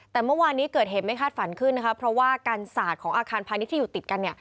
แต่เมื่อวานนี้เกิดเหตุไม่คาดฝันขึ้นนะคะเพราะว่ากันสาดของอาคารพาณิชย์ที่อยู่ติดกันเนี่ย